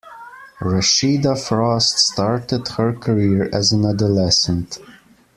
Rasheeda Frost started her career as an adolescent.